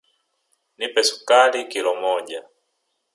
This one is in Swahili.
Nipe sukari kilo moja.